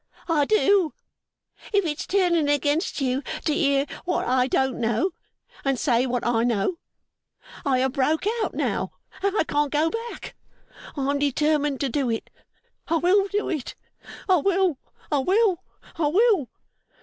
'I do, if it's turning against you to hear what I don't know, and say what I know. I have broke out now, and I can't go back. I am determined to do it. I will do it, I will, I will, I will!